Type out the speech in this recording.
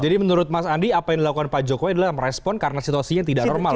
jadi menurut mas andi apa yang dilakukan pak jokowi adalah merespon karena situasinya tidak normal